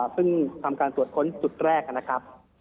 ซึ่งทำการตรวจค้นจุดแรกนะครับ